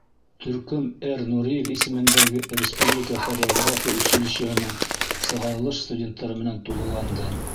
Төркөм Р. Нуриев исемендәге республика хореография училищеһының сығарылыш студенттары менән тулыланды.